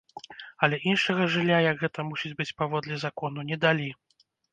Але іншага жылля, як гэта мусіць быць паводле закону, не далі.